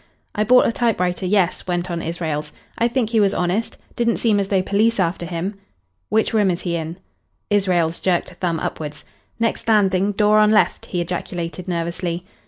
"I bought a typewriter yes," went on Israels. "I think he was honest. Didn't seem as though police after him." "Which room is he in?" Israels jerked a thumb upwards. "Next landing. Door on left," he ejaculated nervously.